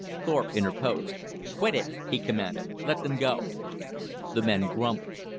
Thorpe interposed. "Quit it!" he commanded. "Let them go!" The men grumbled.